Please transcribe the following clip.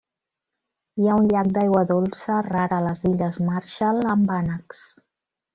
Hi ha un llac d'aigua dolça, rar a les illes Marshall, amb ànecs.